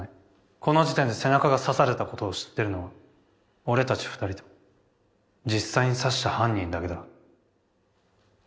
この時点で背中が刺されたことを知ってるのは俺たち二人と実際に刺した犯人だけだ。